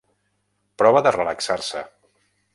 Prova de relaxar-se.